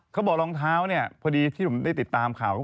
รองเท้าเนี่ยพอดีที่ผมได้ติดตามข่าว